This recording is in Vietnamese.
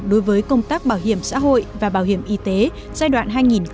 đối với công tác bảo hiểm xã hội và bảo hiểm y tế giai đoạn hai nghìn một mươi hai hai nghìn hai mươi